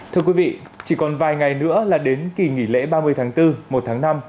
thưa quý vị chỉ còn vài ngày nữa là đến kỳ nghỉ lễ ba mươi tháng bốn một tháng năm